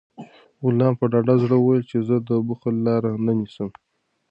غلام په ډاډه زړه وویل چې زه د بخل لاره نه نیسم.